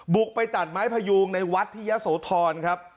บุกไปตัดไม้พยูงในวัดที่ยะโสธรครับ